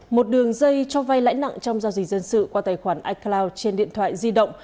một đường dây cho vay lãi nặng trong giao dịch dân sự qua tài khoản icloud trên điện thoại di động